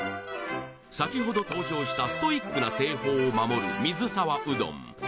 先ほど登場したストイックな製法を守る水沢うどん